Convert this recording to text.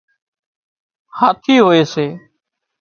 هاٿِي هوئي سي